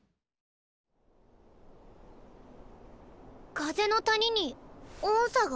風の谷に音叉が？